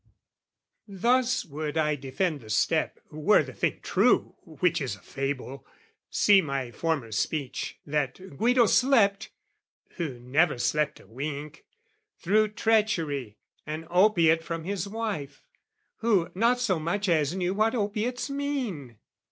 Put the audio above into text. Thus Would I defend the step, were the thing true Which is a fable, see my former speech, That Guido slept (who never slept a wink) Through treachery, an opiate from his wife, Who not so much as knew what opiates mean.